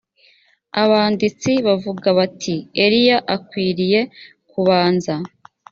abanditsi bavuga bati eliya akwiriye kubanza